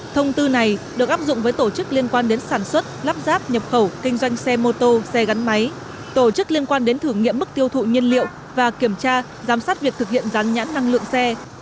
thông tư này được áp dụng với tổ chức liên quan đến sản xuất lắp ráp nhập khẩu kinh doanh xe mô tô xe gắn máy tổ chức liên quan đến thử nghiệm mức tiêu thụ nhiên liệu và kiểm tra giám sát việc thực hiện gián nhãn năng lượng xe